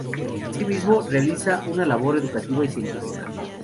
Así mismo, realiza una labor educativa y científica.